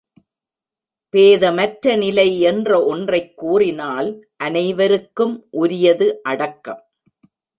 பேதமற்ற நிலை என்ற ஒன்றைக் கூறினால் அனைவருக்கும் உரியது அடக்கம்.